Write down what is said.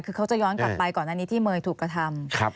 คือเขาจะย้อนกลับไปก่อนอันนี้ที่เมย์ถูกกระทำ